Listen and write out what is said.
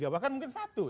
bahkan mungkin satu ya